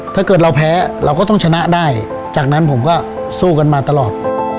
ถ้าเกิดเราแพ้เราก็ต้องชนะได้จากนั้นผมก็สู้กันมาตลอด